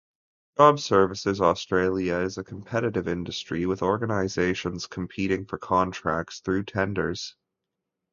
Job Services Australia is a competitive industry with organisations competing for contracts through tenders.